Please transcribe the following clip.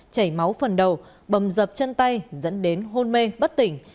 chảy máu phần đầu bầm dập chân tay dẫn đến hôn mê bất tỉnh